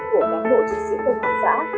của bán bộ chiến sĩ công an giã